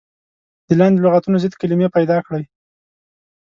د لاندې لغتونو ضد کلمې پيداکړئ.